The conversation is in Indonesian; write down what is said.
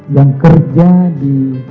yang kerja di